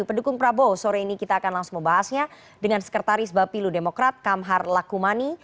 pendukung prabowo sore ini kita akan langsung membahasnya dengan sekretaris bapilu demokrat kamhar lakumani